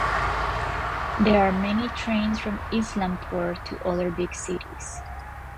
There are many trains from Islampur to other big cities.